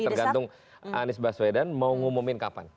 tergantung anies baswedan mau ngumumin kapan